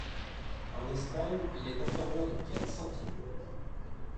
En Espagne, il est inférieur de quatre centimes.